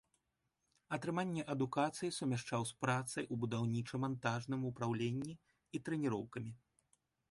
Атрыманне адукацыі сумяшчаў з працай у будаўніча-мантажным упраўленні і трэніроўкамі.